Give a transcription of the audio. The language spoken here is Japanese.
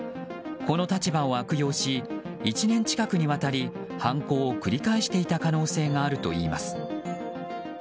この立場を悪用し１年近くにわたり犯行を繰り返していた可能性があるといいます。